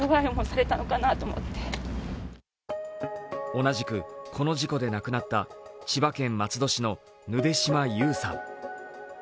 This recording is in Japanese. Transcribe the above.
同じく、この事故で亡くなった千葉県松戸市のぬで島優さん。